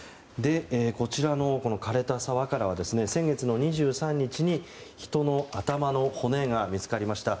枯れた沢からは先月２３日に人の頭の骨が見つかりました。